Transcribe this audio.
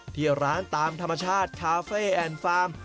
ที่ร้านตามธรรมชาติคาเฟ่แอนด์ฟาร์ม